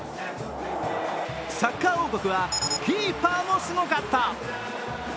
サッカー王国はキーパーもすごかった！